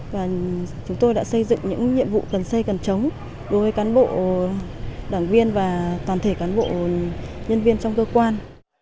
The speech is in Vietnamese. và chúng tôi đã xây dựng những nhiệm vụ cần xây cần chống đối với cán bộ đảng viên và toàn thể cán bộ nhân viên trong cơ quan